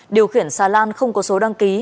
điều khiển xa lan không có số đăng ký